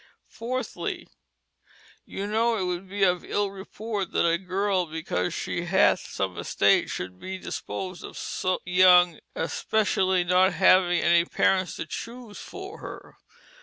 4thlie: You know it would be of ill reporte that a girl because shee hath some estate should bee disposed of soe young, espetialie not having any parents to choose for her.